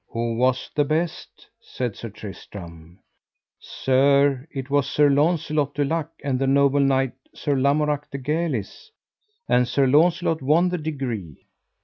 Who was the best? said Sir Tristram. Sir, it was Sir Launcelot du Lake and the noble knight, Sir Lamorak de Galis, and Sir Launcelot won the degree.